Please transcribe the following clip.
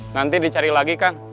nanti dicari lagi kang